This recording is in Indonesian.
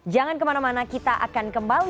jangan kemana mana kita akan kembali